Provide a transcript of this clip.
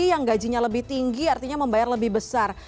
yang gajinya lebih tinggi artinya membayar lebih besar